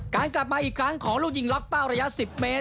กลับมาอีกครั้งของลูกยิงล็อกเป้าระยะ๑๐เมตร